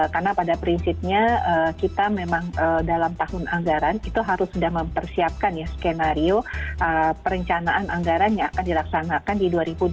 karena pada prinsipnya kita memang dalam tahun anggaran itu harus sudah mempersiapkan ya skenario perencanaan anggaran yang akan dilaksanakan di dua ribu dua puluh dua